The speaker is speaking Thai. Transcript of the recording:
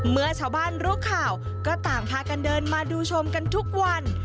เมื่อชาวบ้านรู้ข่าวก็ต่างพากันเดินมาดูชมกันทุกวัน